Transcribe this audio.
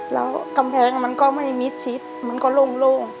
แล้วกำแพงมันก็ไม่มิดชิดมันก็โล่ง